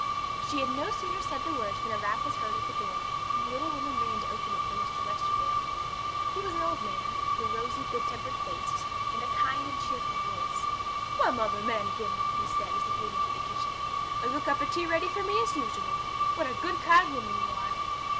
She had no sooner said the words than a rap was heard at the door, and the little woman ran to open it for Mr. Westerdale. He was an old man, with a rosy, good tempered face, and a kind and cheerful voice. 'Well, Mother Manikin,' he said, as he came into the kitchen, 'a good cup of tea ready for me as usual! What a good, kind woman you are!'